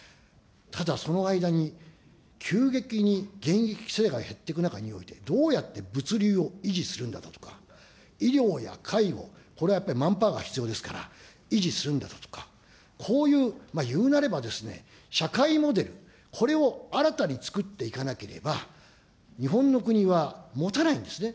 ただその間に、急激に現役世代が減っていく中においてどうやって物流を維持するんだとか、医療や介護、これはやっぱりマンパワーが必要ですから、維持するんだとか、こういういうなればですね、社会モデル、これを新たにつくっていかなければ、日本の国はもたないんですね。